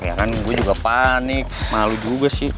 ya kan gue juga panik malu juga sih